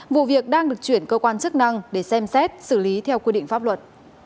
vụ việc đang được chuyển cơ quan chức năng để xem xét xử lý theo quy định pháp luật